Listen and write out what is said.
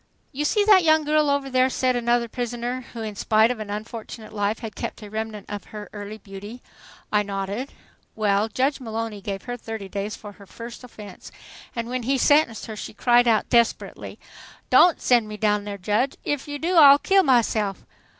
"You see that young girl over there?" said another prisoner, who in spite of an unfortunate life had kept a remnant of her early beauty. I nodded. "Well, Judge Mullowny gave her thirty days for her first offense, and when he sentenced her, she cried out desperately, 'Don't send me down there, Judge! If you do, I'll kill myself!